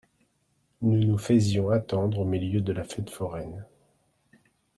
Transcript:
Nous nous faisions attendre au milieu de la fête foraine.